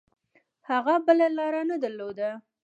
هغه بله لاره نه درلوده.